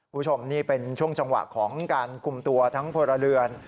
คุณผู้ชมนี่เป็นช่วงจังหวะของการคุมตัวทั้งพลเรือน